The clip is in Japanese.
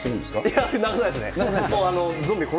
いや、流さないですね。